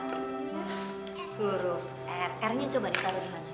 huruf r r nya coba ditaruh dimana